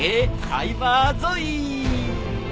サイバーゾイ。